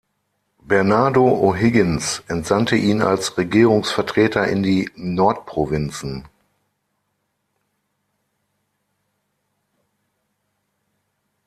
Bernardo O’Higgins entsandte ihn als Regierungsvertreter in die Nordprovinzen.